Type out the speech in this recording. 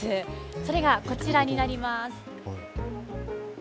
それがこちらになります。